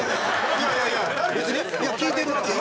いやいやいや別にいや聞いてるわけよ。